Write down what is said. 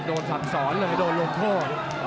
สั่งสอนเลยโดนลงโทษ